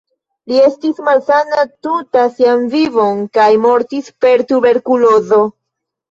Li estis malsana tuta sian vivon kaj mortis per tuberkulozo.